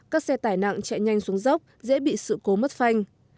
các xe tài nạn chạy nhanh xuống dốc dễ bị sự cố mất phanh